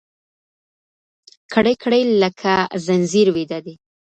كړۍ، كـړۍ لكه ځنځير ويـده دی